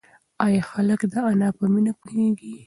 ایا هلک د انا په مینه پوهېږي؟